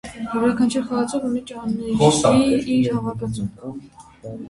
Յուրաքանչյուր խաղացող ունի ճաների իր հավաքածուն։